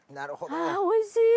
あおいしい！